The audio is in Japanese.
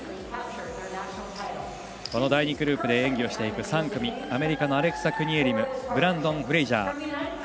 第２グループで演技をしていく３組アメリカのアレクサ・クニエリムブランドン・フレイジャー。